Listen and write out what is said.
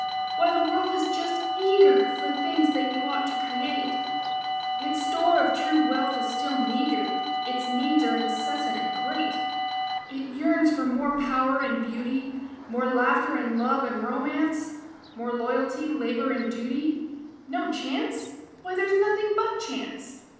Why the world is just eager For things that you ought to create Its store of true wealth is still meagre Its needs are incessant and great, It yearns for more power and beauty More laughter and love and romance, More loyalty, labor and duty, No chance why there's nothing but chance!